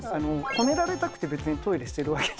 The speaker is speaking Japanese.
褒められたくて別にトイレしてるわけじゃないので。